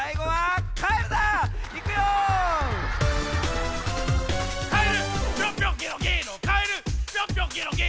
はい！